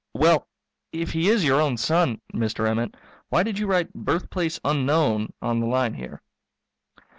_Well, if he is your own son, Mr. Emmett, why did you write 'birthplace unknown' on the line here?